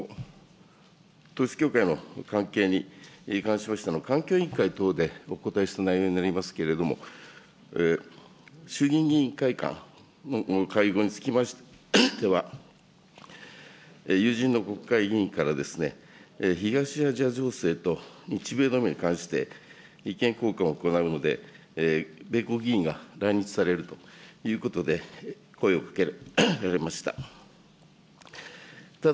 統一教会の関係に関しましての、環境委員会等でお答えした内容になりますけれども、衆議院議員会館の会合につきましては、友人の国会議員から、東アジア情勢と日米同盟に関して意見交換を行うので、米国議員が来日されるということで、声をかけられました。